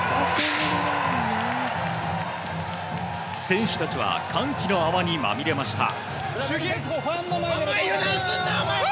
選手たちは歓喜の泡にまみれました。